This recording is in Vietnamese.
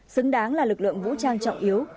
xứng đáng là lực lượng vũ trang trọng yếu